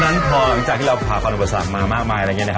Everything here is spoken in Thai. และตอนนั้นพอหลังจากที่เราผ่าพันค์หุบศัพท์มามากมาย